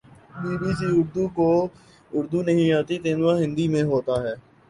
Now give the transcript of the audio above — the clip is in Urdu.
بی بی سی اردو کو اردو نہیں آتی تیندوا ہندی میں ہوتاہے